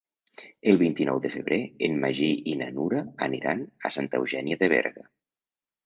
El vint-i-nou de febrer en Magí i na Nura aniran a Santa Eugènia de Berga.